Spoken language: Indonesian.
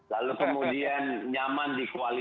lalu kemudian nyaman di koalisi